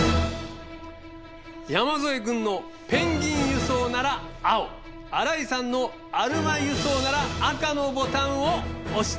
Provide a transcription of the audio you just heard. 山添君のペンギン輸送なら青新井さんのアルマ輸送なら赤のボタンを押して下さい。